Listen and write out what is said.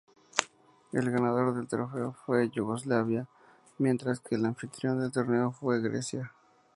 El ganador del trofeo fue Yugoslavia, mientras que el anfitrión del torneo fue Grecia.